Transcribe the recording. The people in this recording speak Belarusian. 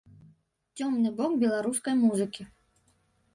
Цёмны бок беларускай музыкі.